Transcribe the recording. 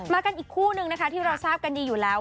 กันอีกคู่นึงนะคะที่เราทราบกันดีอยู่แล้ว